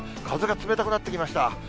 風が冷たくなってきました。